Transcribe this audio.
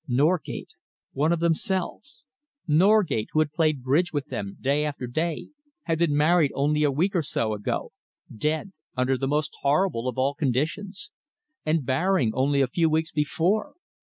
Norgate one of themselves! Norgate, who had played bridge with them day after day, had been married only a week or so ago dead, under the most horrible of all conditions! And Baring, only a few weeks before!